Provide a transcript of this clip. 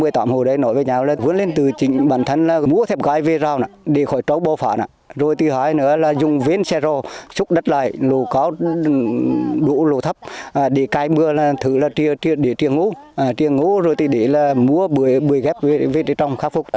trong đó có những vườn cây rau để khỏi trống bò phả rồi thứ hai nữa là dùng vến xe rô xúc đất lại lũ có đủ lũ thấp để cài mưa để truyền ngũ rồi để mua bưởi ghép về trong khắc phục